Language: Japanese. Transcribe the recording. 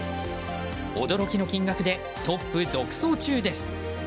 驚きの金額でトップ独走中です。